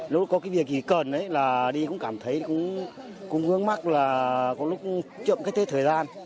lúc có cái việc gì cần là đi cũng cảm thấy cũng vướng mắt là có lúc chậm cái thế thời gian